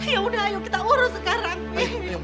ya udah ayo kita urus sekarang